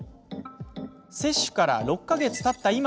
接種から６か月たった